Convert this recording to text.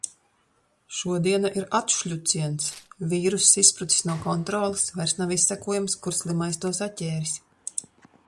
Šodiena ir atšļuciens. Vīruss izsprucis no kontroles, vairs nav izsekojams, kur slimais to saķēris.